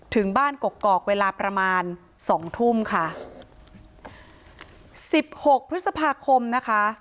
ถึงบ้านกกอกเวลาประมาณสองทุ่มค่ะสิบหกพฤษภาคมนะคะ